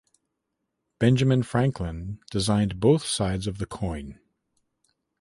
Benjamin Franklin designed both sides of the coin.